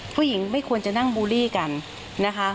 ผู้หญิงไม่ควรจะนั่งบูลลี่กันนะคะ